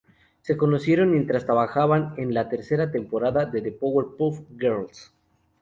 Se conocieron mientras trabajaban en la tercera temporada de "The Powerpuff Girls".